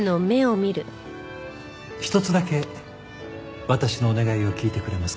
一つだけ私のお願いを聞いてくれますか？